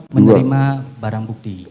menerima barang bukti